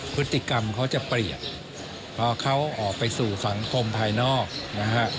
พฤติกรรมเขาจะเปลี่ยนพอเขาออกไปสู่สังคมภายนอกนะฮะ